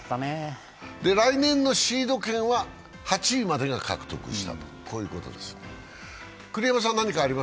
来年のシード権は８位までが獲得したということです。